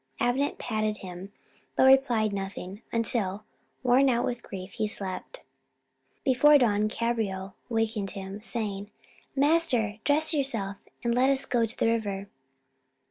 Avenant patted him, but replied nothing: until, worn out with grief, he slept. Before dawn Cabriole wakened him, saying, "Master, dress yourself and let us go to the river."